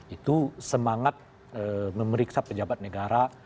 itu semangat memeriksa pejabat negara